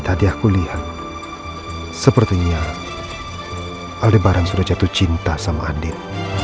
tadi aku lihat sepertinya aldebaran sudah jatuh cinta sama andir